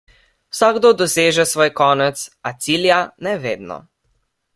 Vsakdo doseže svoj konec, a cilja ne vedno.